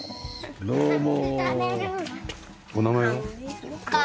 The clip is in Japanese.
お名前は？